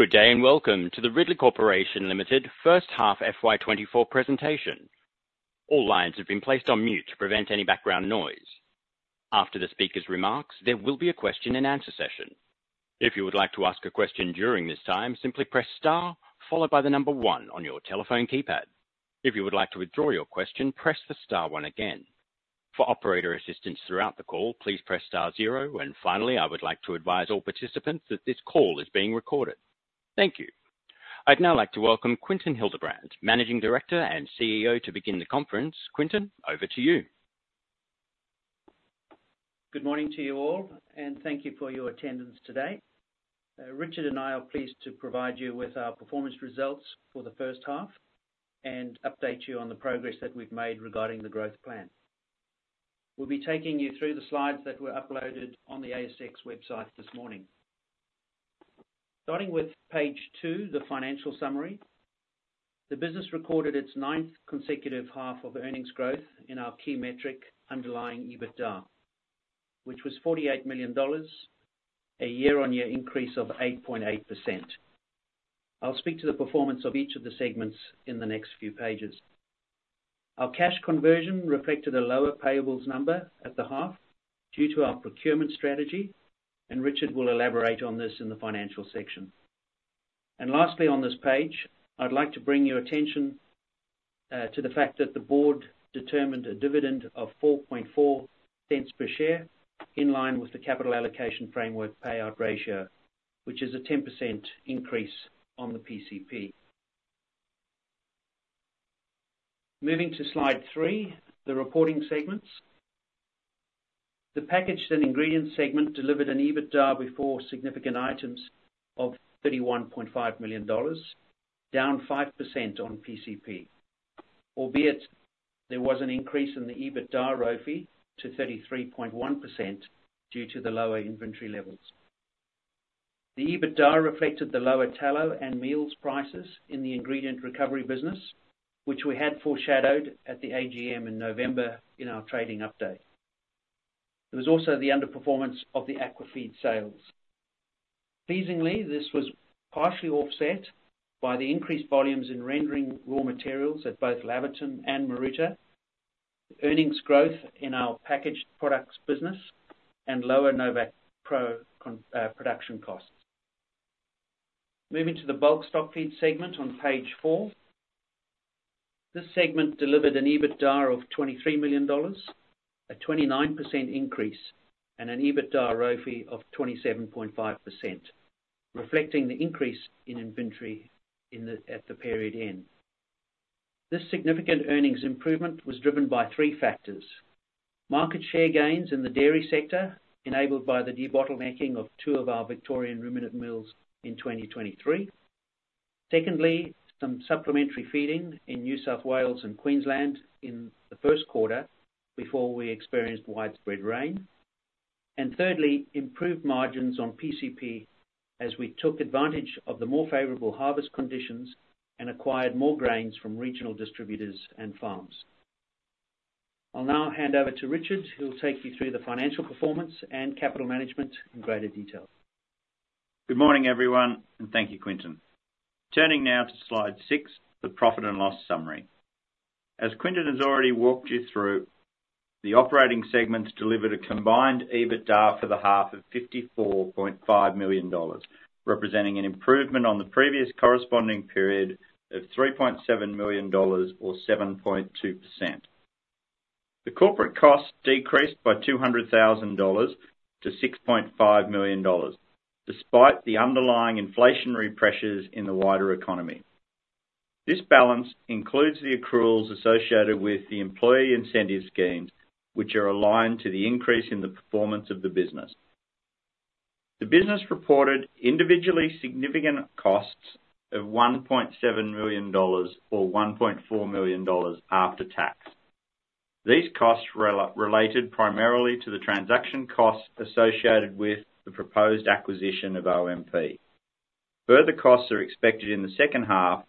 Good day, and welcome to the Ridley Corporation Limited First Half FY 2024 presentation. All lines have been placed on mute to prevent any background noise. After the speaker's remarks, there will be a question and answer session. If you would like to ask a question during this time, simply press star, followed by the number one on your telephone keypad. If you would like to withdraw your question, press the star one again. For operator assistance throughout the call, please press star zero, and finally, I would like to advise all participants that this call is being recorded. Thank you. I'd now like to welcome Quinton Hildebrand, Managing Director and CEO, to begin the conference. Quinton, over to you. Good morning to you all, and thank you for your attendance today. Richard and I are pleased to provide you with our performance results for the first half and update you on the progress that we've made regarding the growth plan. We'll be taking you through the slides that were uploaded on the ASX website this morning. Starting with page two, the financial summary. The business recorded its ninth consecutive half of earnings growth in our key metric, underlying EBITDA, which was 48 million dollars, a year-on-year increase of 8.8%. I'll speak to the performance of each of the segments in the next few pages. Our cash conversion reflected a lower payables number at the half due to our procurement strategy, and Richard will elaborate on this in the financial section. Lastly, on this page, I'd like to bring your attention to the fact that the board determined a dividend of 0.044 per share, in line with the capital allocation framework payout ratio, which is a 10% increase on the PCP. Moving to slide three, the reporting segments. The packaged and ingredient segment delivered an EBITDA before significant items of 31.5 million dollars, down 5% on PCP. Albeit, there was an increase in the EBITDA ROFE to 33.1% due to the lower inventory levels. The EBITDA reflected the lower tallow and meals prices in the ingredient recovery business, which we had foreshadowed at the AGM in November in our trading update. There was also the underperformance of the aqua feed sales. Pleasingly, this was partially offset by the increased volumes in rendering raw materials at both Laverton and Marita, earnings growth in our packaged products business, and lower NovaqPro production costs. Moving to the bulk stock feed segment on page four. This segment delivered an EBITDA of 23 million dollars, a 29% increase, and an EBITDA ROFE of 27.5%, reflecting the increase in inventory at the period end. This significant earnings improvement was driven by three factors: Market share gains in the dairy sector, enabled by the debottlenecking of two of our Victorian ruminant mills in 2023. Secondly, some supplementary feeding in New South Wales and Queensland in the first quarter before we experienced widespread rain. And thirdly, improved margins on PCP as we took advantage of the more favorable harvest conditions and acquired more grains from regional distributors and farms. I'll now hand over to Richard, who will take you through the financial performance and capital management in greater detail. Good morning, everyone, and thank you, Quinton. Turning now to slide six, the profit and loss summary. As Quinton has already walked you through, the operating segments delivered a combined EBITDA for the half of 54.5 million dollars, representing an improvement on the previous corresponding period of 3.7 million dollars or 7.2%. The corporate costs decreased by 200,000 dollars to 6.5 million dollars, despite the underlying inflationary pressures in the wider economy. This balance includes the accruals associated with the employee incentive schemes, which are aligned to the increase in the performance of the business. The business reported individually significant costs of 1.7 million dollars, or 1.4 million dollars after tax. These costs related primarily to the transaction costs associated with the proposed acquisition of OMP. Further costs are expected in the second half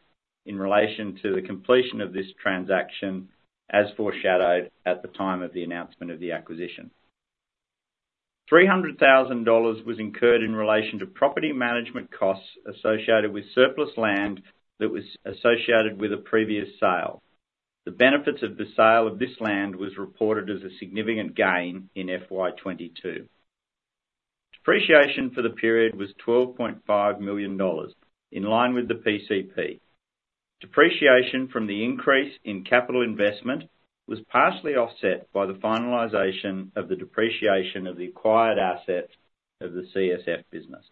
in relation to the completion of this transaction, as foreshadowed at the time of the announcement of the acquisition. 300,000 dollars was incurred in relation to property management costs associated with surplus land that was associated with a previous sale. The benefits of the sale of this land was reported as a significant gain in FY 2022. Depreciation for the period was 12.5 million dollars, in line with the PCP. Depreciation from the increase in capital investment was partially offset by the finalization of the depreciation of the acquired assets of the CSF business.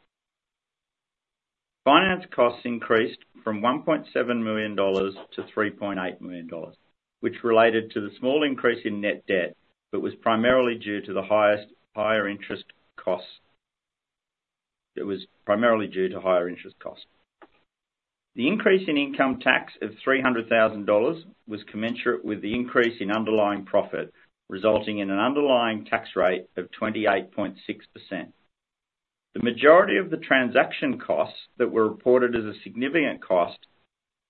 Finance costs increased from 1.7 million dollars to 3.8 million dollars, which related to the small increase in net debt, but was primarily due to higher interest costs. It was primarily due to higher interest costs. The increase in income tax of 300,000 dollars was commensurate with the increase in underlying profit, resulting in an underlying tax rate of 28.6%. The majority of the transaction costs that were reported as a significant costs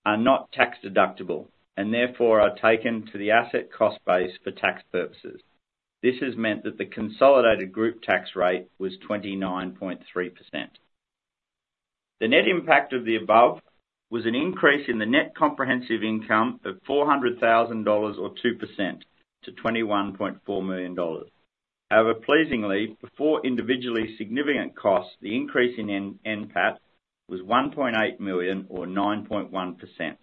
are not tax-deductible, and therefore, are taken to the asset cost base for tax purposes. This has meant that the consolidated group tax rate was 29.3%. The net impact of the above was an increase in the net comprehensive income of 400,000 dollars or 2% to 21.4 million dollars. However, pleasingly, before individually significant costs, the increase in end, NPAT was 1.8 million or 9.1%.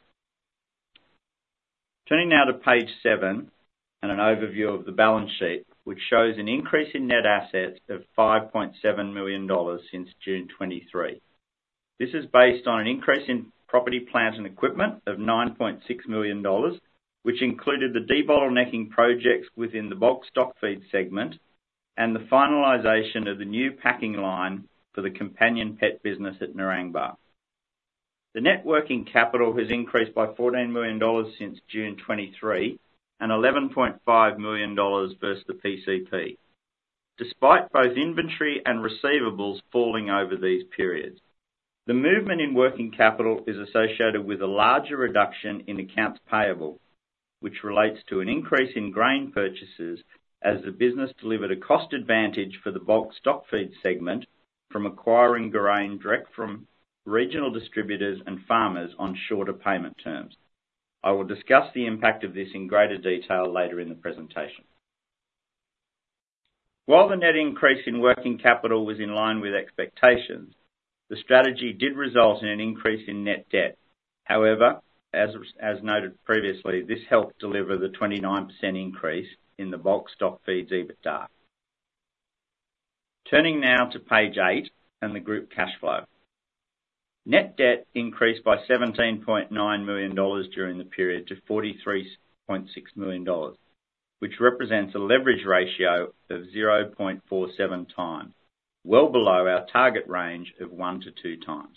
Turning now to page seven, and an overview of the balance sheet, which shows an increase in net assets of 5.7 million dollars since June 2023. This is based on an increase in property, plant, and equipment of 9.6 million dollars, which included the debottlenecking projects within the bulk stock feed segment, and the finalization of the new packing line for the companion pet business at Narangba. The net working capital has increased by 14 million dollars since June 2023, and 11.5 million dollars versus the PCP, despite both inventory and receivables falling over these periods. The movement in working capital is associated with a larger reduction in accounts payable, which relates to an increase in grain purchases as the business delivered a cost advantage for the bulk stock feed segment from acquiring grain direct from regional distributors and farmers on shorter payment terms. I will discuss the impact of this in greater detail later in the presentation. While the net increase in working capital was in line with expectations, the strategy did result in an increase in net debt. However, as noted previously, this helped deliver the 29% increase in the bulk stock feed's EBITDA. Turning now to page eight and the group cash flow. Net debt increased by 17.9 million dollars during the period to 43.6 million dollars, which represents a leverage ratio of 0.47 times, well below our target range of one to two times.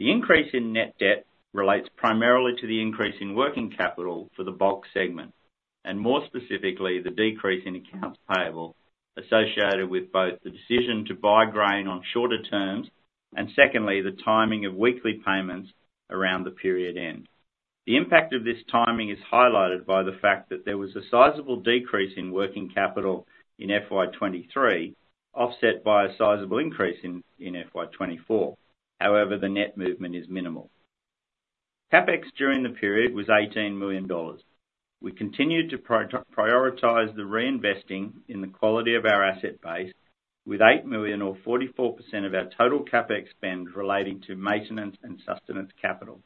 The increase in net debt relates primarily to the increase in working capital for the bulk segment, and more specifically, the decrease in accounts payable associated with both the decision to buy grain on shorter terms, and secondly, the timing of weekly payments around the period end. The impact of this timing is highlighted by the fact that there was a sizable decrease in working capital in FY 2023, offset by a sizable increase in FY 2024. However, the net movement is minimal. CapEx during the period was 18 million dollars. We continued to prioritize the reinvesting in the quality of our asset base with 8 million or 44% of our total CapEx spend relating to maintenance and sustenance capital.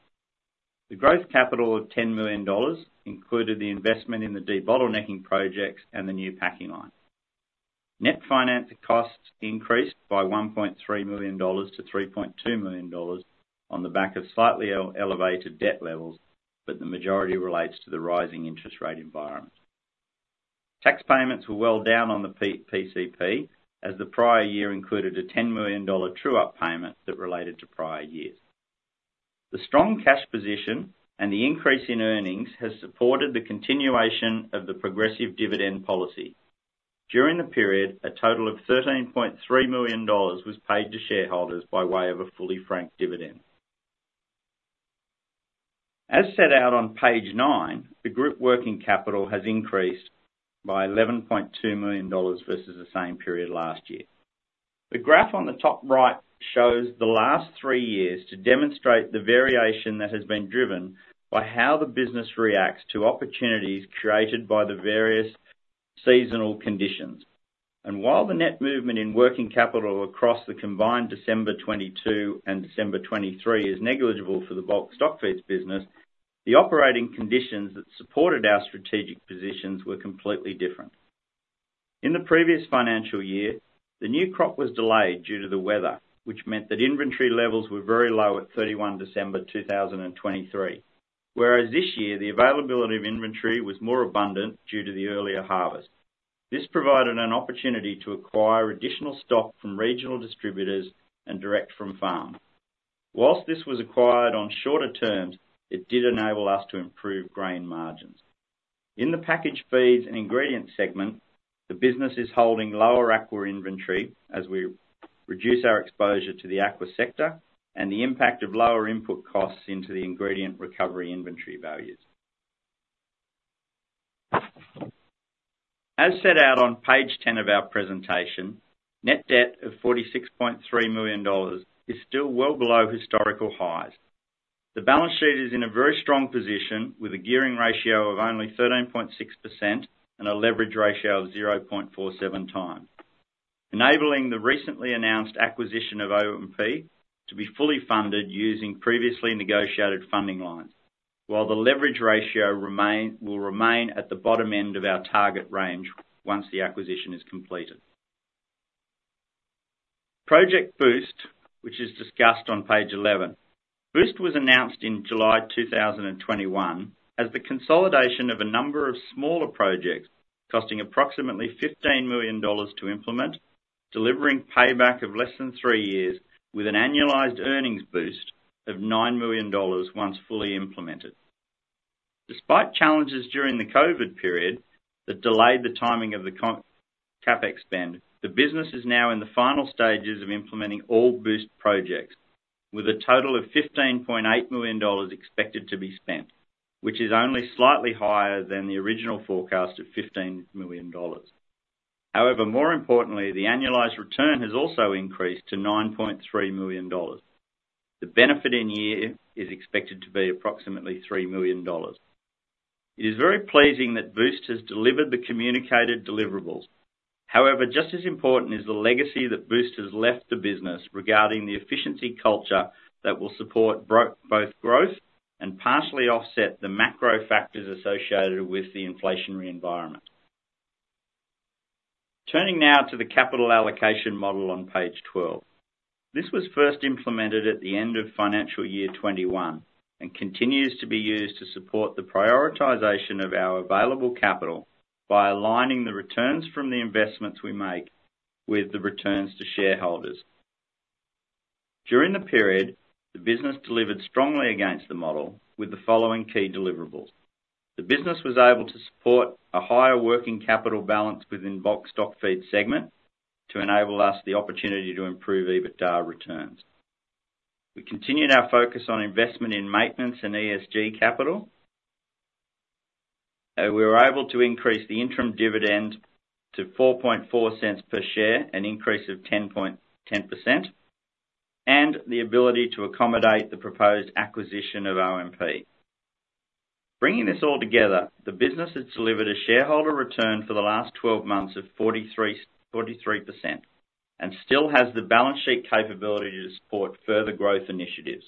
The growth capital of 10 million dollars included the investment in the debottlenecking projects and the new packing line. Net finance costs increased by 1.3 million dollars to 3.2 million dollars on the back of slightly elevated debt levels, but the majority relates to the rising interest rate environment. Tax payments were well down on the PCP, as the prior year included a 10 million dollar true-up payment that related to prior years. The strong cash position and the increase in earnings has supported the continuation of the progressive dividend policy. During the period, a total of 13.3 million dollars was paid to shareholders by way of a fully franked dividend. As set out on page nine, the group working capital has increased by 11.2 million dollars versus the same period last year. The graph on the top right shows the last three years to demonstrate the variation that has been driven by how the business reacts to opportunities created by the various seasonal conditions. And while the net movement in working capital across the combined December 2022 and December 2023 is negligible for the bulk stock feeds business, the operating conditions that supported our strategic positions were completely different. In the previous financial year, the new crop was delayed due to the weather, which meant that inventory levels were very low at 31 December 2023. Whereas this year, the availability of inventory was more abundant due to the earlier harvest. This provided an opportunity to acquire additional stock from regional distributors and direct from farm. While this was acquired on shorter terms, it did enable us to improve grain margins. In the packaged feeds and ingredients segment, the business is holding lower aqua inventory as we reduce our exposure to the aqua sector and the impact of lower input costs into the ingredient recovery inventory values. As set out on page 10 of our presentation, net debt of 46.3 million dollars is still well below historical highs. The balance sheet is in a very strong position, with a gearing ratio of only 13.6% and a leverage ratio of 0.47 times, enabling the recently announced acquisition of OMP to be fully funded using previously negotiated funding lines, while the leverage ratio will remain at the bottom end of our target range once the acquisition is completed. Project Boost, which is discussed on page 11. Boost was announced in July 2021 as the consolidation of a number of smaller projects costing approximately 15 million dollars to implement, delivering payback of less than three years, with an annualized earnings boost of 9 million dollars once fully implemented. Despite challenges during the COVID period that delayed the timing of the CapEx spend, the business is now in the final stages of implementing all Boost projects, with a total of 15.8 million dollars expected to be spent, which is only slightly higher than the original forecast of 15 million dollars. However, more importantly, the annualized return has also increased to 9.3 million dollars. The benefit in year is expected to be approximately 3 million dollars. It is very pleasing that Boost has delivered the communicated deliverables. However, just as important is the legacy that Boost has left the business regarding the efficiency culture that will support both growth and partially offset the macro factors associated with the inflationary environment. Turning now to the capital allocation model on page 12. This was first implemented at the end of financial year 2021, and continues to be used to support the prioritization of our available capital by aligning the returns from the investments we make with the returns to shareholders. During the period, the business delivered strongly against the model with the following key deliverables: The business was able to support a higher working capital balance within bulk stock feed segment, to enable us the opportunity to improve EBITDA returns. We continued our focus on investment in maintenance and ESG capital, we were able to increase the interim dividend to 0.044 per share, an increase of 10%, and the ability to accommodate the proposed acquisition of OMP. Bringing this all together, the business has delivered a shareholder return for the last 12 months of 43, 43%, and still has the balance sheet capability to support further growth initiatives.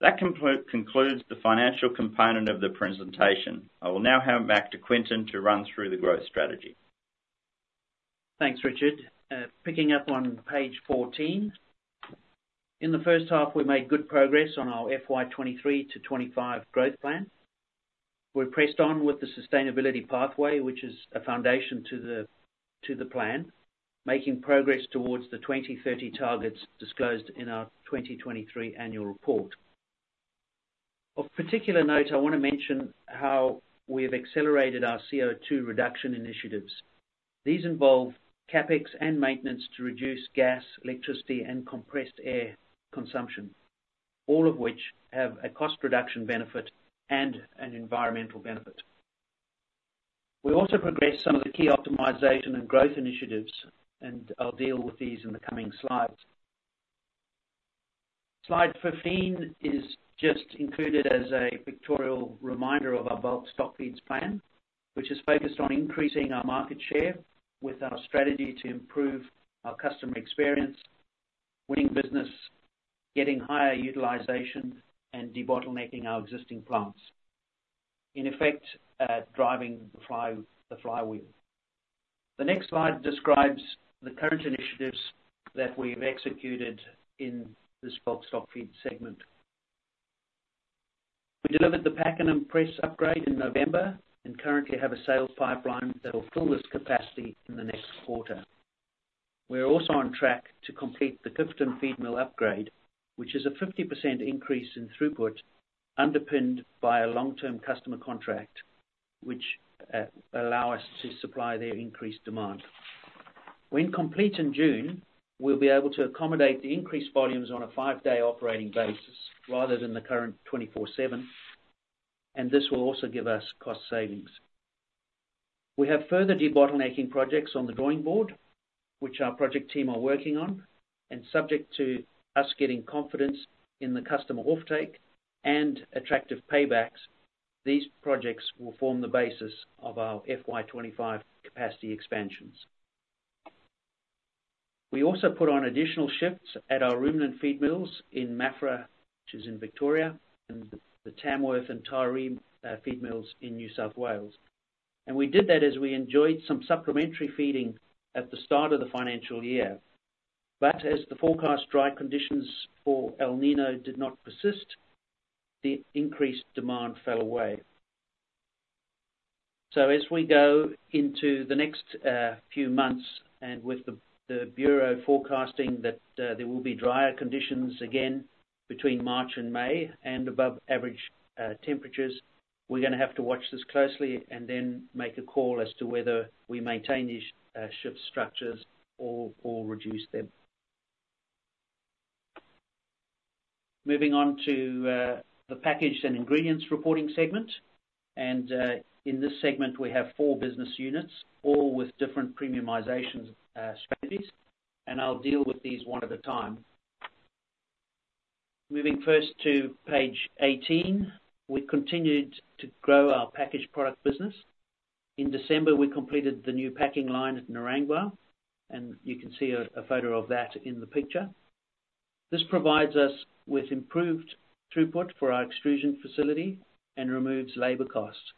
That concludes the financial component of the presentation. I will now hand back to Quinton to run through the growth strategy. Thanks, Richard. Picking up on page 14. In the first half, we made good progress on our FY 2023 to 2025 growth plan. We pressed on with the sustainability pathway, which is a foundation to the, to the plan, making progress towards the 2030 targets disclosed in our 2023 annual report. Of particular note, I want to mention how we have accelerated our CO2 reduction initiatives. These involve CapEx and maintenance to reduce gas, electricity, and compressed air consumption, all of which have a cost reduction benefit and an environmental benefit. We also progressed some of the key optimization and growth initiatives, and I'll deal with these in the coming slides. Slide 15 is just included as a pictorial reminder of our bulk stock feeds plan, which is focused on increasing our market share with our strategy to improve our customer experience, winning business, getting higher utilization, and debottlenecking our existing plants. In effect, driving the flywheel. The next slide describes the current initiatives that we've executed in this bulk stock feed segment. We delivered the Pakenham press upgrade in November and currently have a sales pipeline that will fill this capacity in the next quarter. We're also on track to complete the Clifton feed mill upgrade, which is a 50% increase in throughput, underpinned by a long-term customer contract, which allow us to supply their increased demand. When complete in June, we'll be able to accommodate the increased volumes on a five-day operating basis, rather than the current 24/7, and this will also give us cost savings. We have further debottlenecking projects on the drawing board, which our project team are working on, and subject to us getting confidence in the customer offtake and attractive paybacks, these projects will form the basis of our FY 25 capacity expansions. We also put on additional shifts at our ruminant feed mills in Maffra, which is in Victoria, and the Tamworth and Taree feed mills in New South Wales. We did that as we enjoyed some supplementary feeding at the start of the financial year. But as the forecast dry conditions for El Niño did not persist, the increased demand fell away. So as we go into the next few months, and with the Bureau forecasting that there will be drier conditions again between March and May, and above average temperatures, we're gonna have to watch this closely and then make a call as to whether we maintain these shift structures or reduce them. Moving on to the packaged and ingredients reporting segment, and in this segment, we have four business units, all with different premiumization strategies, and I'll deal with these one at a time. Moving first to page 18, we continued to grow our packaged product business. In December, we completed the new packing line at Narangba, and you can see a photo of that in the picture. This provides us with improved throughput for our extrusion facility and removes labor costs.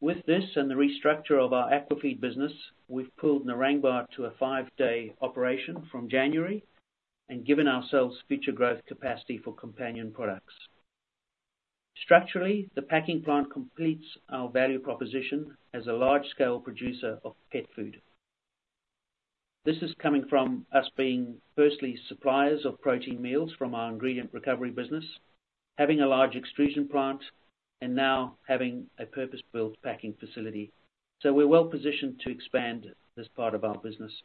With this and the restructure of our aquafeed business, we've pulled Narangba to a 5-day operation from January and given ourselves future growth capacity for companion products. Structurally, the packing plant completes our value proposition as a large-scale producer of pet food. This is coming from us being, firstly, suppliers of protein meals from our ingredient recovery business, having a large extrusion plant, and now having a purpose-built packing facility. So we're well positioned to expand this part of our business.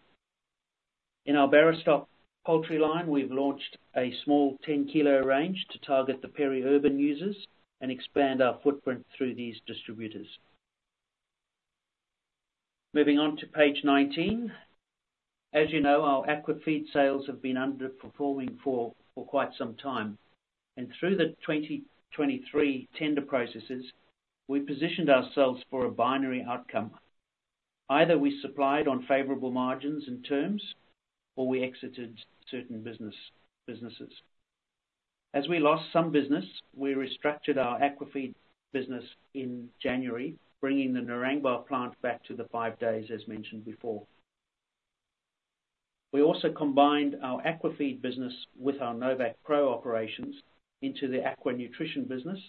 In our Barastoc poultry line, we've launched a small 10-kilo range to target the peri-urban users and expand our footprint through these distributors. Moving on to page 19. As you know, our aquafeed sales have been underperforming for quite some time, and through the 2023 tender processes, we positioned ourselves for a binary outcome. Either we supplied on favorable margins and terms, or we exited certain business, businesses. As we lost some business, we restructured our aquafeed business in January, bringing the Narangba plant back to the five days, as mentioned before. We also combined our aquafeed business with our NovaqPro operations into the aqua nutrition business,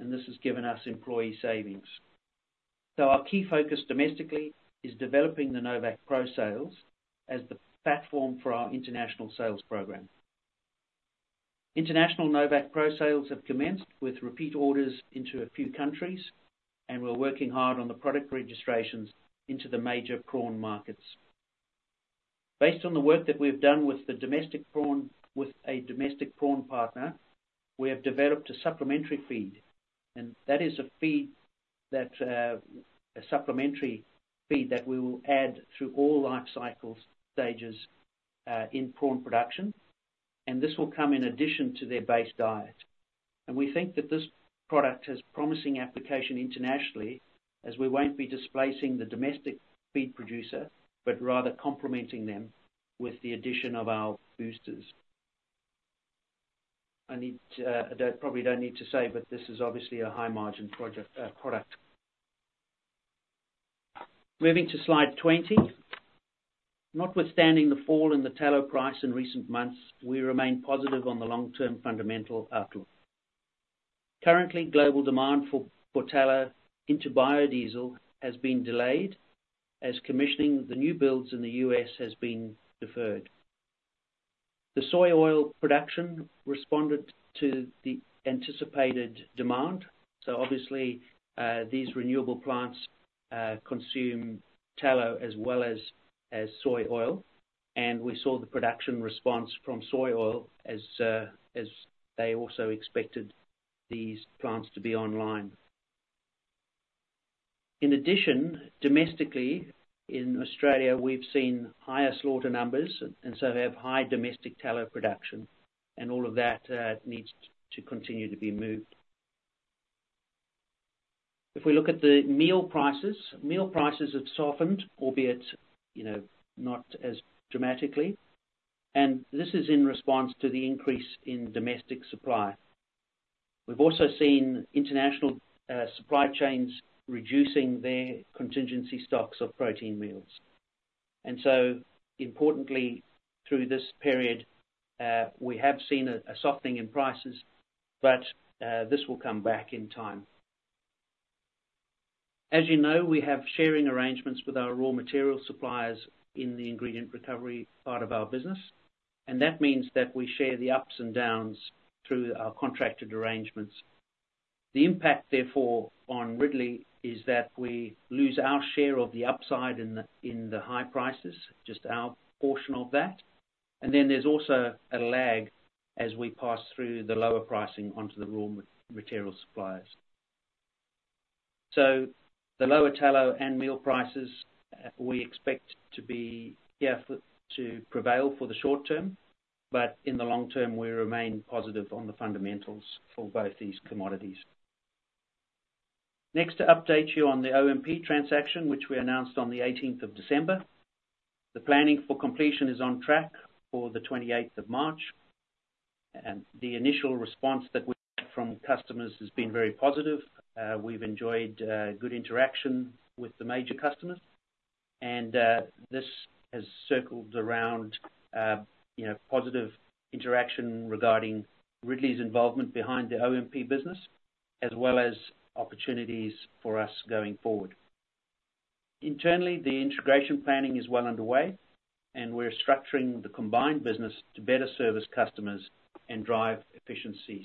and this has given us employee savings. So our key focus domestically is developing the NovaqPro sales as the platform for our international sales program. International NovaqPro sales have commenced with repeat orders into a few countries, and we're working hard on the product registrations into the major prawn markets. Based on the work that we've done with the domestic prawn- with a domestic prawn partner, we have developed a supplementary feed, and that is a feed that, a supplementary feed that we will add through all life cycles, stages, in prawn production, and this will come in addition to their base diet. We think that this product has promising application internationally, as we won't be displacing the domestic feed producer, but rather complementing them with the addition of our boosters. I need to, I probably don't need to say, but this is obviously a high-margin project, product. Moving to slide 20. Notwithstanding the fall in the tallow price in recent months, we remain positive on the long-term fundamental outlook. Currently, global demand for, for tallow into biodiesel has been delayed, as commissioning the new builds in the U.S. has been deferred. The soy oil production responded to the anticipated demand, so obviously, these renewable plants consume tallow as well as, as soy oil, and we saw the production response from soy oil as, as they also expected these plants to be online. In addition, domestically, in Australia, we've seen higher slaughter numbers, and so we have high domestic tallow production, and all of that needs to continue to be moved. If we look at the meal prices, meal prices have softened, albeit, you know, not as dramatically, and this is in response to the increase in domestic supply. We've also seen international supply chains reducing their contingency stocks of protein meals. And so importantly, through this period, we have seen a, a softening in prices, but this will come back in time. As you know, we have sharing arrangements with our raw material suppliers in the ingredient recovery part of our business, and that means that we share the ups and downs through our contracted arrangements. The impact, therefore, on Ridley is that we lose our share of the upside in the high prices, just our portion of that. And then there's also a lag as we pass through the lower pricing onto the raw material suppliers. So the lower tallow and meal prices we expect to be here for, to prevail for the short term, but in the long term, we remain positive on the fundamentals for both these commodities. Next, to update you on the OMP transaction, which we announced on the 18th of December. The planning for completion is on track for the 28th of March, and the initial response that we've had from customers has been very positive. We've enjoyed good interaction with the major customers, and this has circled around you know positive interaction regarding Ridley's involvement behind the OMP business, as well as opportunities for us going forward. Internally, the integration planning is well underway, and we're structuring the combined business to better service customers and drive efficiencies.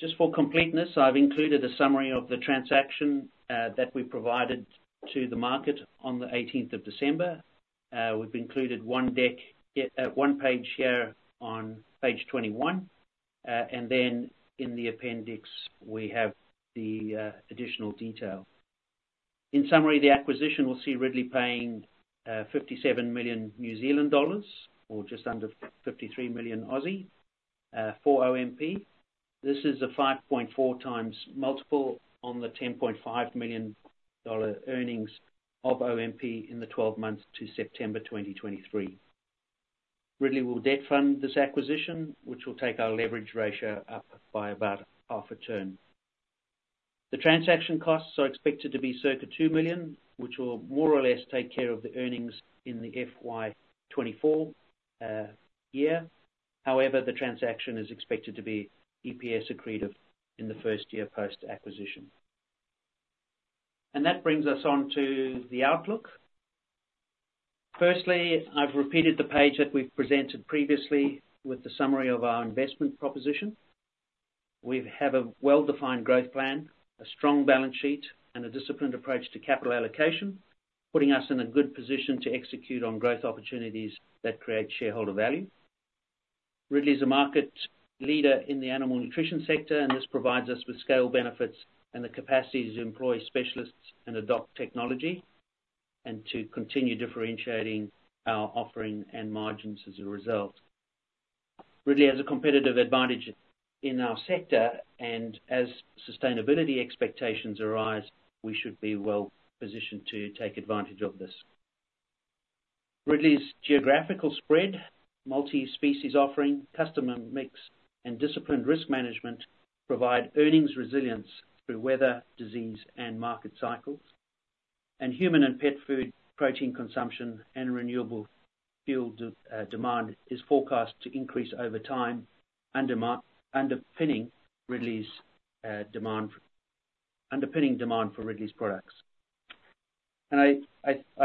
Just for completeness, I've included a summary of the transaction that we provided to the market on the 18th of December. We've included one deck one page here on page 21. And then in the appendix, we have the additional detail. In summary, the acquisition will see Ridley paying 57 million New Zealand dollars, or just under 53 million, for OMP. This is a 5.4x multiple on the 10.5 million dollar earnings of OMP in the twelve months to September 2023. Ridley will debt fund this acquisition, which will take our leverage ratio up by about half a turn. The transaction costs are expected to be circa 2 million, which will more or less take care of the earnings in the FY 2024 year. However, the transaction is expected to be EPS accretive in the first year post-acquisition. And that brings us on to the outlook. Firstly, I've repeated the page that we've presented previously with the summary of our investment proposition. We have a well-defined growth plan, a strong balance sheet, and a disciplined approach to capital allocation, putting us in a good position to execute on growth opportunities that create shareholder value. Ridley is a market leader in the animal nutrition sector, and this provides us with scale benefits and the capacity to employ specialists and adopt technology, and to continue differentiating our offering and margins as a result. Ridley has a competitive advantage in our sector, and as sustainability expectations arise, we should be well positioned to take advantage of this. Ridley's geographical spread, multi-species offering, customer mix, and disciplined risk management provide earnings resilience through weather, disease, and market cycles. And human and pet food, protein consumption, and renewable fuel demand is forecast to increase over time, underpinning Ridley's demand... Underpinning demand for Ridley's products. I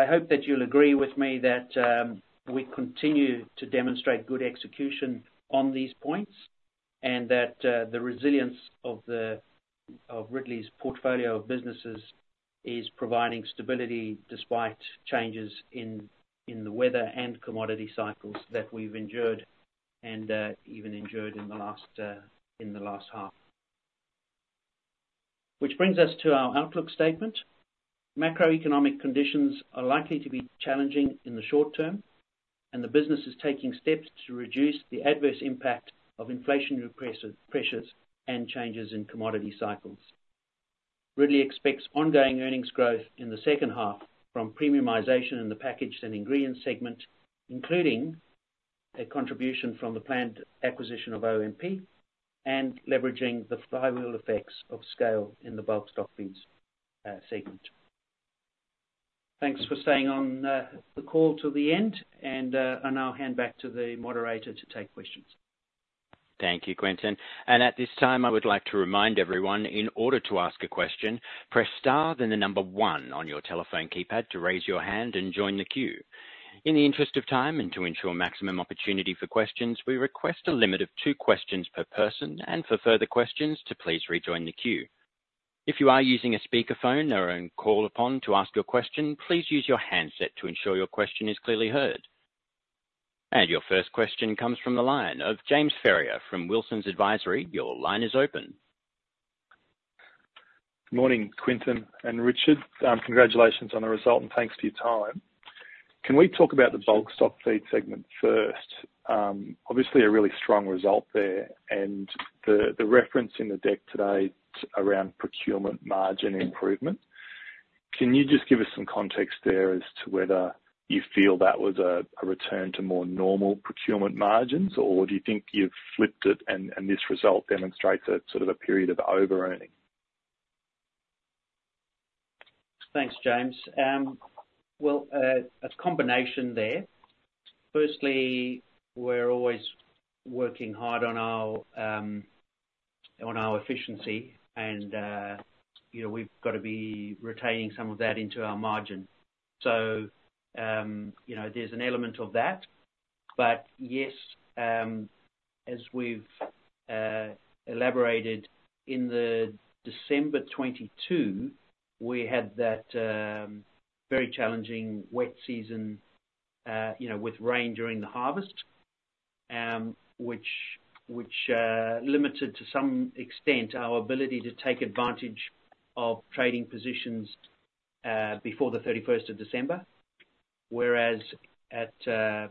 hope that you'll agree with me that we continue to demonstrate good execution on these points, and that the resilience of Ridley's portfolio of businesses is providing stability despite changes in the weather and commodity cycles that we've endured and even endured in the last half. Which brings us to our outlook statement. Macroeconomic conditions are likely to be challenging in the short term, and the business is taking steps to reduce the adverse impact of inflation, inflationary pressures, and changes in commodity cycles. Ridley expects ongoing earnings growth in the second half from premiumization in the packaged and ingredient segment, including a contribution from the planned acquisition of OMP and leveraging the flywheel effects of scale in the bulk stockfeeds segment. Thanks for staying on the call to the end, and I'll now hand back to the moderator to take questions. Thank you, Quinton. At this time, I would like to remind everyone, in order to ask a question, press star, then the number one on your telephone keypad to raise your hand and join the queue. In the interest of time and to ensure maximum opportunity for questions, we request a limit of two questions per person, and for further questions to please rejoin the queue. If you are using a speakerphone or are on call upon to ask your question, please use your handset to ensure your question is clearly heard. Your first question comes from the line of James Ferrier from Wilsons Advisory. Your line is open. Good morning, Quinton and Richard. Congratulations on the result, and thanks for your time. Can we talk about the bulk stock feed segment first? Obviously, a really strong result there, and the, the reference in the deck today around procurement margin improvement. Can you just give us some context there as to whether you feel that was a, a return to more normal procurement margins, or do you think you've flipped it and, and this result demonstrates a sort of a period of overearning? Thanks, James. Well, a combination there. Firstly, we're always working hard on our efficiency, and, you know, we've got to be retaining some of that into our margin. So, you know, there's an element of that. But yes, as we've elaborated in the December 2022, we had that very challenging wet season, you know, with rain during the harvest, which limited, to some extent, our ability to take advantage of trading positions before the 31st of December. Whereas at the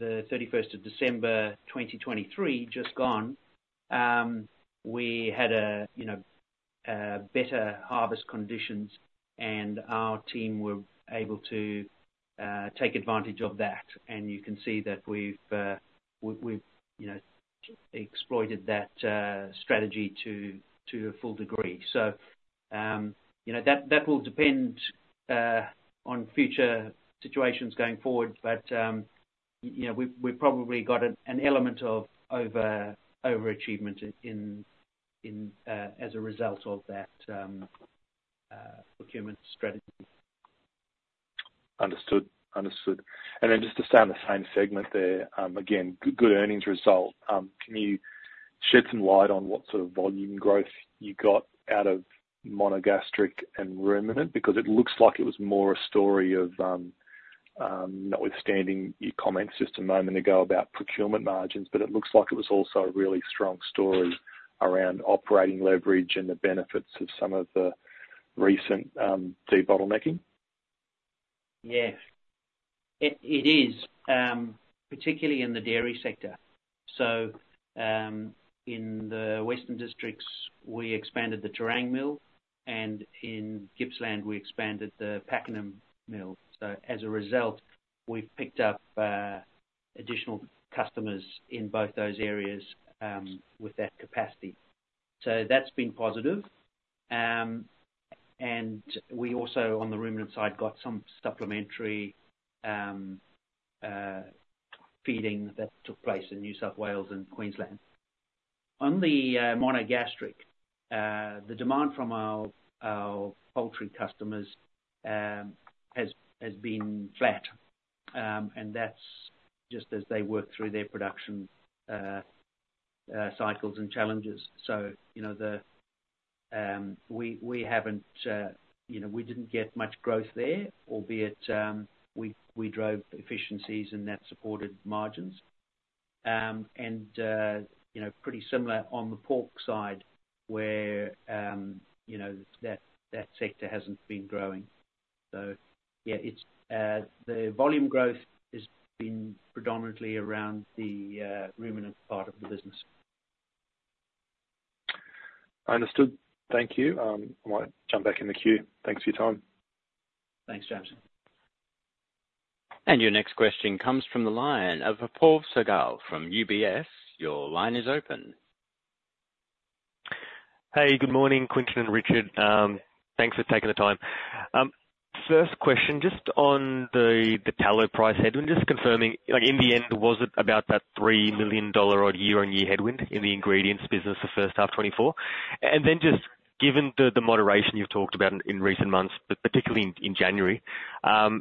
31st of December 2023, just gone, we had a, you know, better harvest conditions, and our team were able to take advantage of that. And you can see that we've, you know, exploited that strategy to a full degree. So, you know, that will depend on future situations going forward. But, you know, we've probably got an element of overachievement in as a result of that procurement strategy. Understood. Understood. And then just to stay on the same segment there, again, good earnings result. Can you shed some light on what sort of volume growth you got out of monogastric and ruminant? Because it looks like it was more a story of, notwithstanding your comments just a moment ago about procurement margins, but it looks like it was also a really strong story around operating leverage and the benefits of some of the recent debottlenecking. Yeah. It is particularly in the dairy sector. So in the western districts, we expanded the Terang mill, and in Gippsland, we expanded the Pakenham mill. So as a result, we've picked up additional customers in both those areas with that capacity. So that's been positive. And we also, on the ruminant side, got some supplementary feeding that took place in New South Wales and Queensland. On the monogastric, the demand from our poultry customers has been flat. And that's just as they work through their production cycles and challenges. So, you know, we haven't, you know, we didn't get much growth there, albeit we drove efficiencies and that supported margins. And, you know, pretty similar on the pork side where, you know, that sector hasn't been growing. So yeah, it's the volume growth has been predominantly around the ruminant part of the business. Understood. Thank you. I'm gonna jump back in the queue. Thanks for your time. Thanks, James. Your next question comes from the line of Apoorv Sehgal from UBS. Your line is open. Hey, good morning, Quinton and Richard. Thanks for taking the time. First question, just on the tallow price headwind, just confirming, like, in the end, was it about that 3 million dollar year-on-year headwind in the ingredients business, the first half 2024? And then just given the moderation you've talked about in recent months, but particularly in January,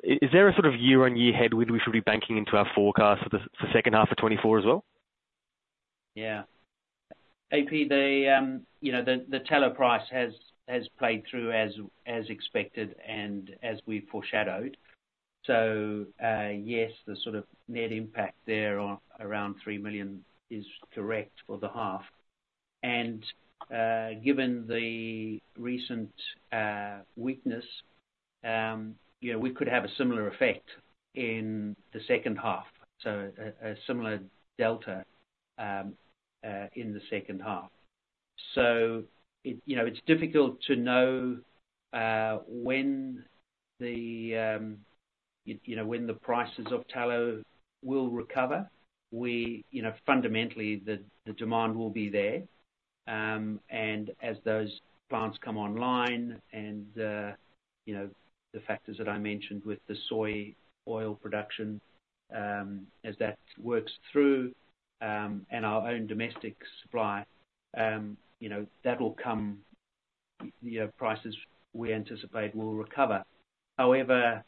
is there a sort of year-on-year headwind we should be banking into our forecast for the second half of 2024 as well? Yeah. AP, you know, the tallow price has played through as expected and as we foreshadowed. So, yes, the sort of net impact there of around 3 million is correct for the half. And, given the recent weakness, you know, we could have a similar effect in the second half, so a similar delta in the second half. So it, you know, it's difficult to know when the prices of tallow will recover. You know, fundamentally, the demand will be there. And as those plants come online and, you know, the factors that I mentioned with the soy oil production, as that works through, and our own domestic supply, you know, that'll come, you know, prices we anticipate will recover. However,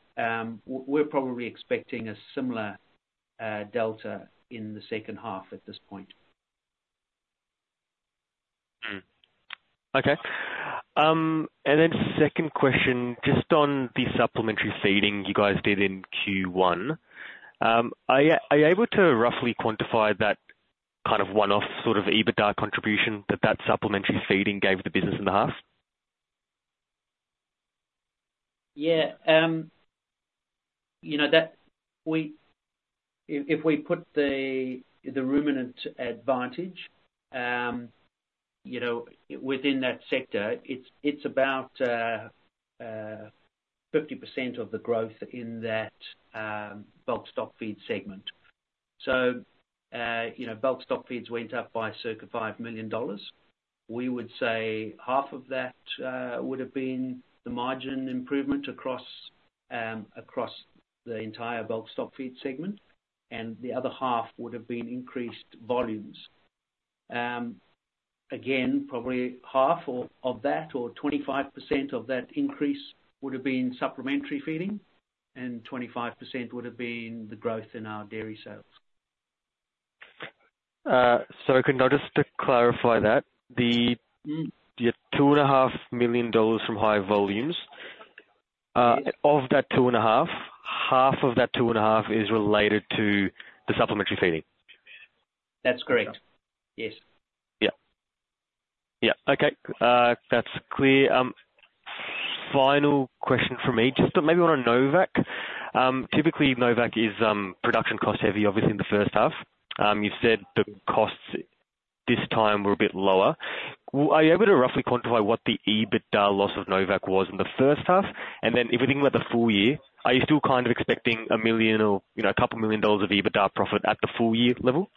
we're probably expecting a similar delta in the second half at this point. Second question, just on the supplementary feeding you guys did in Q1, are you able to roughly quantify that kind of one-off sort of EBITDA contribution that that supplementary feeding gave the business in the half? Yeah, you know, that if we put the ruminant advantage, you know, within that sector, it's about 50% of the growth in that Bulk Stockfeeds segment. So, you know, Bulk Stockfeeds went up by circa 5 million dollars. We would say half of that would've been the margin improvement across across the entire Bulk Stockfeeds segment, and the other half would've been increased volumes. Again, probably half of that or 25% of that increase would have been supplementary feeding, and 25% would have been the growth in our dairy sales. Just to clarify that, your 2.5 million dollars from higher volumes? Yes. Of that 2.5, half of that 2.5 is related to the supplementary feeding? That's correct. Yes. Yeah. Yeah. Okay, that's clear. Final question from me, just maybe on Novacq. Typically, Novacq is production cost heavy, obviously in the first half. You've said the costs this time were a bit lower. Are you able to roughly quantify what the EBITDA loss of Novacq was in the first half? And then if we think about the full year, are you still kind of expecting 1 million or, you know, a couple million dollars of EBITDA profit at the full year level?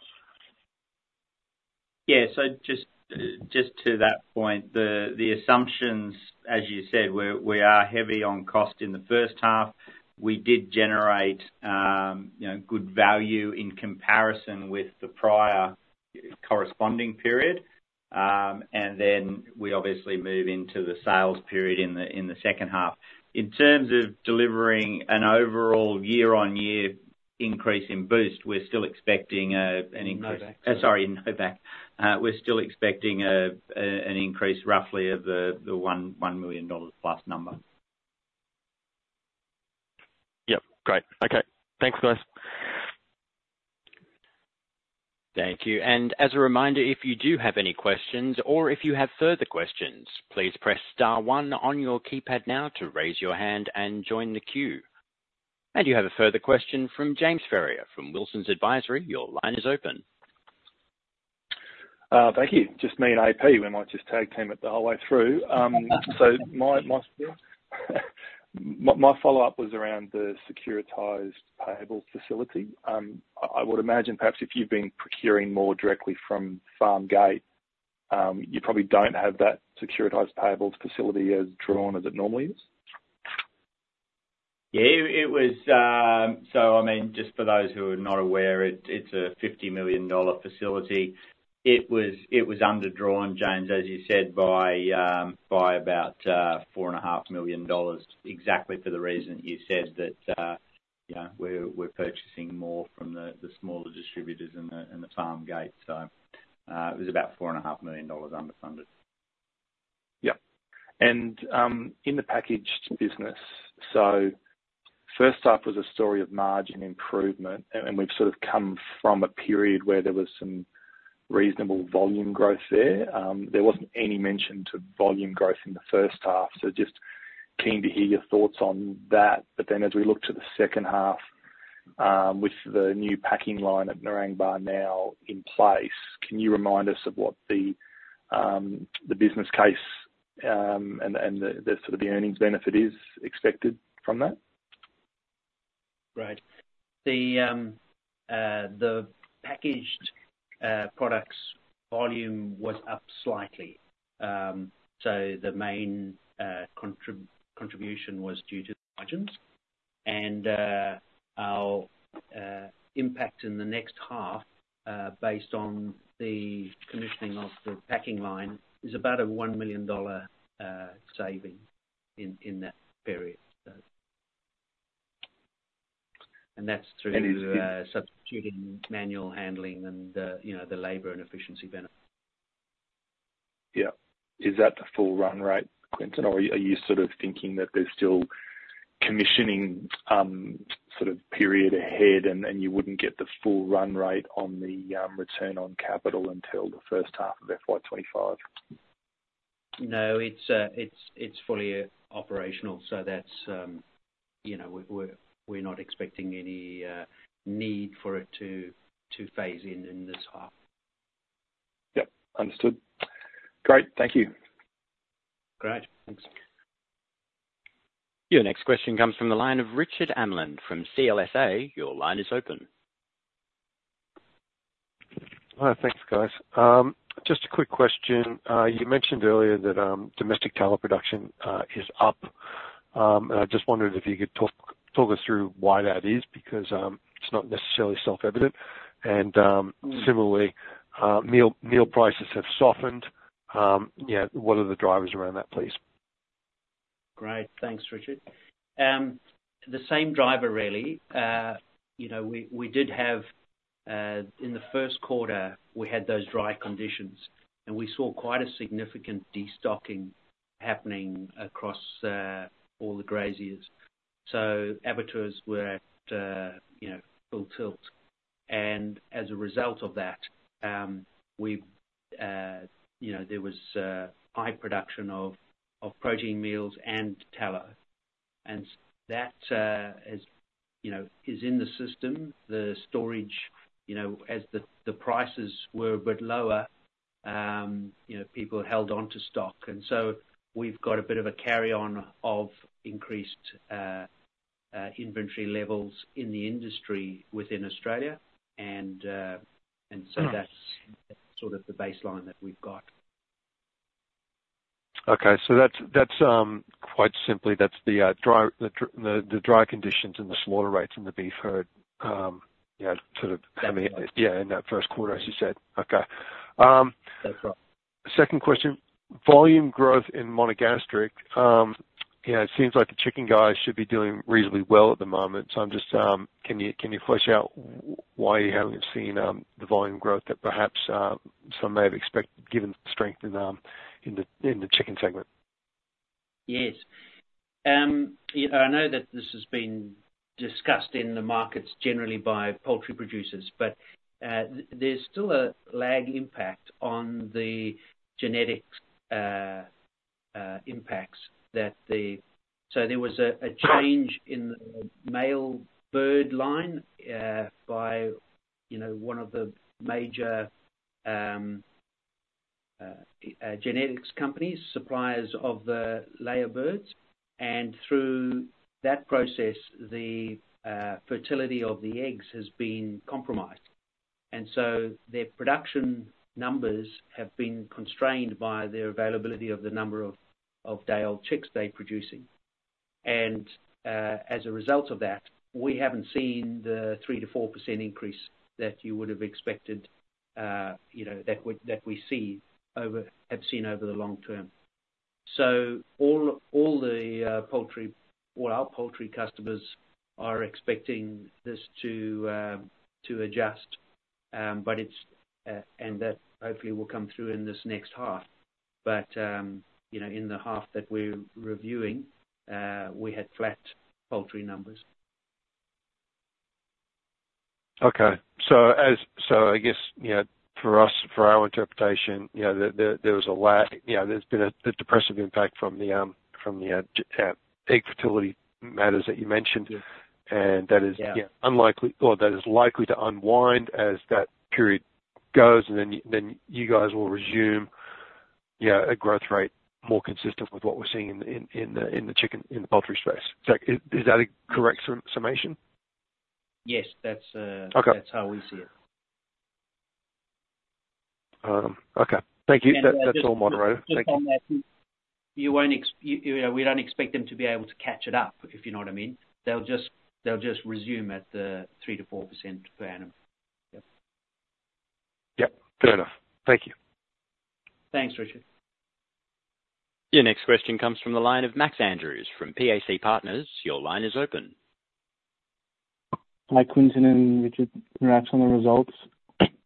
Yeah. So just to that point, the assumptions, as you said, we are heavy on cost in the first half. We did generate, you know, good value in comparison with the prior corresponding period. And then we obviously move into the sales period in the second half. In terms of delivering an overall year-on-year increase in Boost, we're still expecting an increase- Novaq. Sorry, Novaq. We're still expecting an increase roughly of the 1 million dollars plus number. Yep. Great. Okay. Thanks, guys. Thank you. And as a reminder, if you do have any questions or if you have further questions, please press star one on your keypad now to raise your hand and join the queue. And you have a further question from James Ferrier from Wilsons Advisory. Your line is open. Thank you. Just me and AP, we might just tag team it the whole way through. So my, my, my follow-up was around the securitized payable facility. I would imagine perhaps if you've been procuring more directly from Farm Gate, you probably don't have that securitized payables facility as drawn as it normally is? Yeah, it was, so I mean, just for those who are not aware, it's a 50 million dollar facility. It was underdrawn, James, as you said by about 4.5 million dollars, exactly for the reason you said that, you know, we're purchasing more from the smaller distributors and the farm gate. So, it was about 4.5 million dollars underfunded. Yep. And, in the packaged business, so first half was a story of margin improvement, and we've sort of come from a period where there was some reasonable volume growth there. There wasn't any mention to volume growth in the first half, so just keen to hear your thoughts on that. But then as we look to the second half, with the new packing line at Narangba now in place, can you remind us of what the business case, and the sort of earnings benefit is expected from that? Right. The packaged products volume was up slightly. So the main contribution was due to the margins. And our impact in the next half, based on the commissioning of the packing line, is about a 1 million dollar saving in that period. So and that's through substituting manual handling and, you know, the labor and efficiency benefit. Yeah. Is that the full run rate, Quinton, or are you, are you sort of thinking that there's still commissioning, sort of period ahead, and, and you wouldn't get the full run rate on the, return on capital until the first half of FY 2025? No, it's fully operational, so that's, you know, we're not expecting any need for it to phase in in this half. Yep. Understood. Great. Thank you. Great. Thanks. Your next question comes from the line of Richard Amland from CLSA. Your line is open. Thanks, guys. Just a quick question. You mentioned earlier that domestic tallow production is up. And I just wondered if you could talk us through why that is, because it's not necessarily self-evident. And similarly, meal prices have softened. Yeah, what are the drivers around that, please? Great. Thanks, Richard. The same driver really. You know, we did have, in the first quarter, we had those dry conditions, and we saw quite a significant destocking happening across all the graziers. So abattoirs were at, you know, full tilt. And as a result of that, we've, you know, there was high production of protein meals and tallow, and that is, you know, is in the system. The storage, you know, as the prices were a bit lower, you know, people held on to stock, and so we've got a bit of a carry-on of increased inventory levels in the industry within Australia, and uh, and so that's sort of the baseline that we've got. Okay. So that's quite simply that's the dry conditions and the slaughter rates in the beef herd, you know, sort of. That's right. Yeah, in that first quarter, as you said. Okay. That's right. Second question: volume growth in monogastric. Yeah, it seems like the chicken guys should be doing reasonably well at the moment, so I'm just, can you flesh out why you haven't seen the volume growth that perhaps some may have expected, given the strength in the chicken segment? Yes. You know, I know that this has been discussed in the markets generally by poultry producers, but, there's still a lag impact on the genetics, impacts that the, so there was a change in the male bird line, by, you know, one of the major, genetics companies, suppliers of the layer birds. And through that process, the fertility of the eggs has been compromised, and so their production numbers have been constrained by their availability of the number of day-old chicks they're producing. And, as a result of that, we haven't seen the 3%-4% increase that you would have expected, you know, that would- that we see over, have seen over the long term. So all the poultry, all our poultry customers are expecting this to adjust, but it's, and that hopefully will come through in this next half. But you know, in the half that we're reviewing, we had flat poultry numbers. Okay. So, I guess, you know, for us, for our interpretation, you know, there was a lag, you know, there's been the depressive impact from the egg fertility matters that you mentioned. Yeah. And that is, Yeah Unlikely, or that is likely to unwind as that period goes, and then you guys will resume. Yeah, a growth rate more consistent with what we're seeing in the poultry space. So is that a correct summation? Yes, that's. Okay. That's how we see it. Okay. Thank you. And, just, That's all, Monroe. Thank you. Just on that, you know, we don't expect them to be able to catch it up, if you know what I mean. They'll just resume at the 3%-4% per annum. Yep. Yep. Fair enough. Thank you. Thanks, Richard. Your next question comes from the line of Max Andrews from PAC Partners. Your line is open. Hi, Quinton and Richard. Congrats on the results.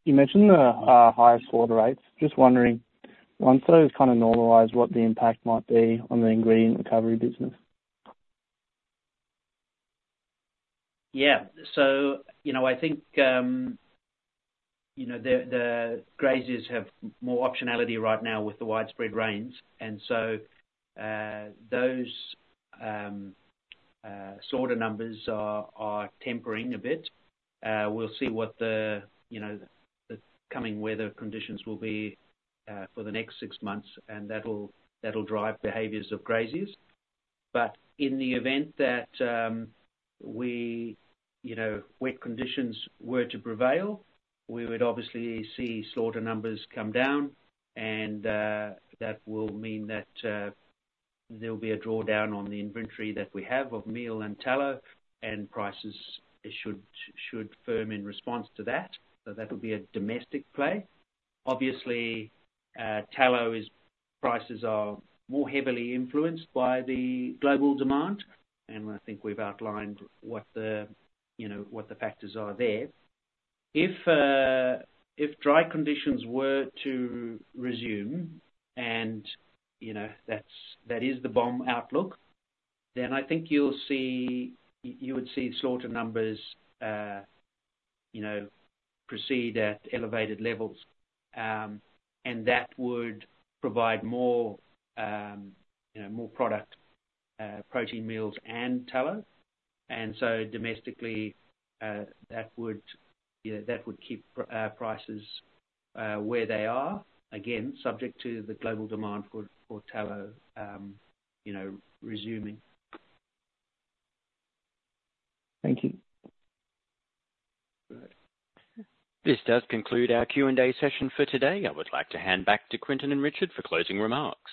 You mentioned the higher slaughter rates. Just wondering, once those kind of normalize, what the impact might be on the ingredient recovery business? Yeah. So, you know, I think, you know, the graziers have more optionality right now with the widespread rains, and so, those slaughter numbers are tempering a bit. We'll see what the, you know, the coming weather conditions will be for the next six months, and that'll drive behaviors of graziers. But in the event that, we, you know, wet conditions were to prevail, we would obviously see slaughter numbers come down, and that will mean that there'll be a drawdown on the inventory that we have of meal and tallow, and prices should firm in response to that. So that'll be a domestic play. Obviously, tallow prices are more heavily influenced by the global demand, and I think we've outlined what the, you know, what the factors are there. If, if dry conditions were to resume and, you know, that's, that is the BOM outlook, then I think you'll see, you would see slaughter numbers, you know, proceed at elevated levels. And that would provide more, you know, more product, protein, meals, and tallow. And so domestically, that would, you know, that would keep prices, where they are, again, subject to the global demand for, for tallow, you know, resuming. Thank you. All right. This does conclude our Q&A session for today. I would like to hand back to Quinton and Richard for closing remarks.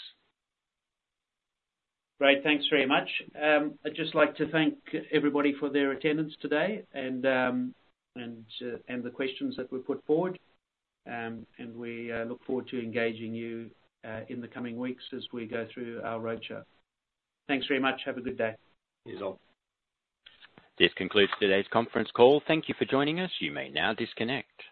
Great. Thanks very much. I'd just like to thank everybody for their attendance today and the questions that were put forward. And we look forward to engaging you in the coming weeks as we go through our roadshow. Thanks very much. Have a good day. Cheers, all. This concludes today's conference call. Thank you for joining us. You may now disconnect.